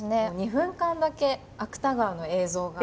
２分間だけ芥川の映像が。